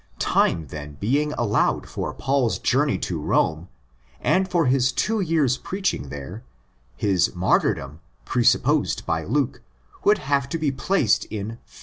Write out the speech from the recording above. Time then being allowed for Paul's journey to Rome and for his two years' preaching there, his martyrdom—presupposed by Luke—would have to be placed in 59.